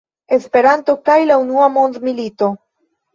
Esperanto kaj la unua mondmilito.